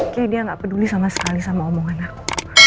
kayaknya dia gak peduli sama sekali sama omongan aku